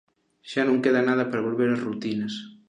Xa non queda nada para volver ás rutinas.